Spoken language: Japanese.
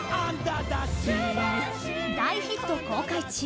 大ヒット公開中